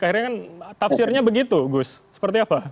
akhirnya kan tafsirnya begitu gus seperti apa